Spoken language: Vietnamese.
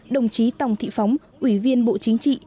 đồng chí tòng thị phóng ủy viên bộ chính trị